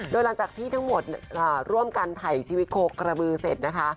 โดยหลังจากที่ทั้งหมดร่วมกันถ่ายชีวิตโคกระบือเสร็จนะคะ